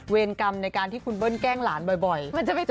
กรรมในการที่คุณเบิ้ลแกล้งหลานบ่อย